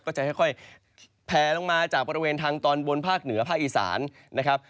ก็จะค่อยแพลลงมาจากบริเวณทางตอนบนภาคเหนือภาคอีสานนะครับ